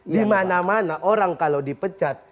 di mana mana orang kalau dipecat